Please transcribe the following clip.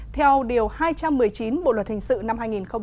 theo điều hai trăm một mươi chín bộ luật hình sự năm hai nghìn một mươi năm